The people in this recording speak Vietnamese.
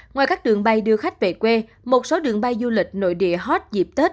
ngoài các đường bay đưa khách về quê một số đường bay du lịch nội địa hot dịp tết